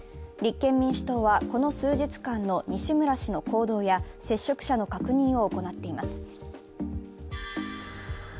立憲民主党は、この数日間の西村氏の行動や接触者の確認を行っています。